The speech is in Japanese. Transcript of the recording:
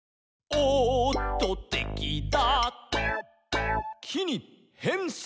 「おっとてきだ」